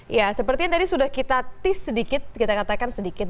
ya sepertinya tadi sudah kita tease sedikit kita katakan sedikit